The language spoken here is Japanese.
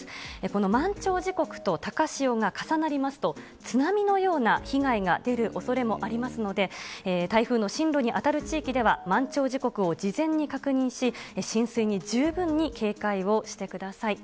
この満潮時刻と高潮が重なりますと、津波のような被害が出るおそれもありますので、台風の進路に当たる地域では、満潮時刻を事前に確認し、浸水に十分に警戒をしてください。